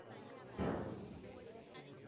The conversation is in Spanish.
impone un modelo ferroviario de media distancia